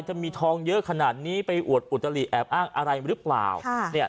จะมีทองเยอะขนาดนี้ไปอวดอุตลิแอบอ้างอะไรหรือเปล่า